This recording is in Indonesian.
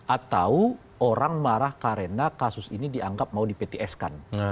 atau orang marah karena kasus ini dianggap mau di pts kan